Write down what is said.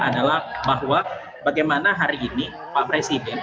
adalah bahwa bagaimana hari ini pak presiden